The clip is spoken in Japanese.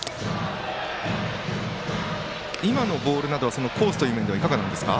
今のボールなど、コースの面ではいかがですか？